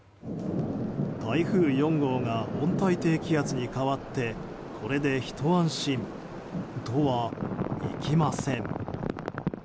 台風４号が温帯低気圧に変わってこれでひと安心とはいきません。